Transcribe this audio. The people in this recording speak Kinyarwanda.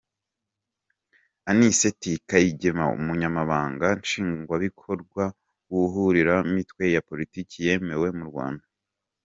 Anicet Kayigema Umunyamabanga Nshingwabikorwa w’ihuriro ry’imitwe ya politiki yemewe mu Rwanda.